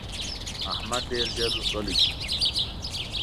احمد ډېر ژر غلی شو.